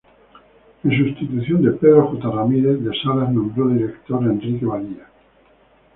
En sustitución de Pedro J. Ramírez, De Salas nombró director a Enrique Badía.